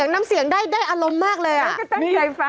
น้ำเสียงได้อารมณ์มากเลย